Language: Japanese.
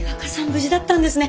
無事だったんですね。